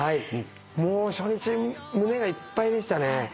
もう初日胸がいっぱいでしたね。